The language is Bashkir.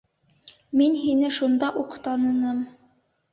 Мин һине шунда уҡ таныным...